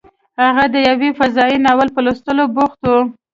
هغه د یو فضايي ناول په لوستلو بوخت و